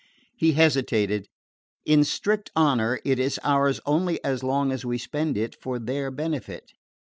He hesitated. "In strict honour, it is ours only as long as we spend it for their benefit."